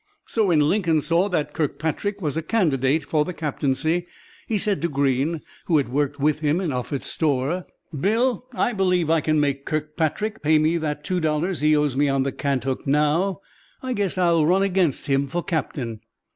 So when Lincoln saw that Kirkpatrick was a candidate for the captaincy, he said to Greene, who had worked with him in Offutt's store: "Bill, I believe I can make Kirkpatrick pay me that two dollars he owes me on the cant hook now. I guess I'll run against him for captain."